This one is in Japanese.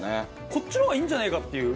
こっちの方がいいんじゃないかっていう。